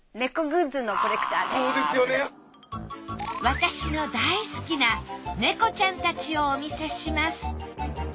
私の大好きな猫ちゃんたちをお見せします。